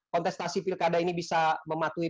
kontestasi pilkada ini bisa mematuhi